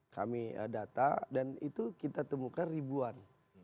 kami data dan itu kita temukan ribuan